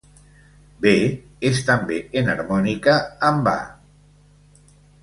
B és també enharmònica amb A.